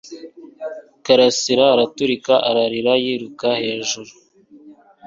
Karasira araturika ararira yiruka hejuru